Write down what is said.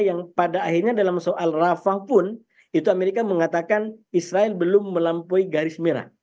yang pada akhirnya dalam soal rafah pun itu amerika mengatakan israel belum melampaui garis merah